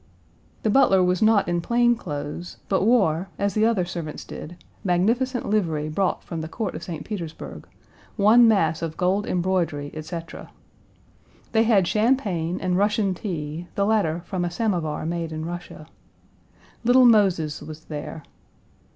The butler was not in plain clothes, but wore, as the Page 193 other servants did, magnificent livery brought from the Court of St. Petersburg, one mass of gold embroidery, etc. They had champagne and Russian tea, the latter from a samovar made in Russia. Little Moses was there.